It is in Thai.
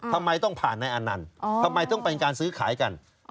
ทำไมต้องผ่านนายอนันต์ทำไมต้องเป็นการซื้อขายกัน